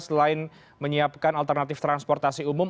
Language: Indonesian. selain menyiapkan alternatif transportasi umum